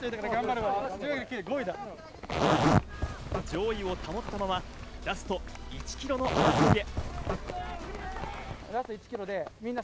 上位を保ったまま、ラスト１キロの争いへ。